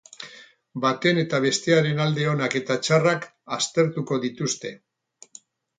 Baten eta bestearen alde onak eta txarrak aztertuko dituzte.